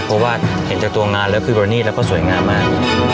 เพราะว่าเห็นจากตัวงานแล้วคือบริณีตแล้วก็สวยงามมาก